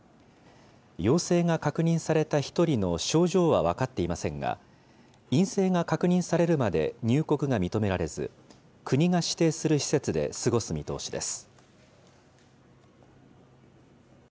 陽性が確認された１人の症状は分かっていませんが、陰性が確認されるまで入国が認められず、国が指定する施設で過ごす見通しです。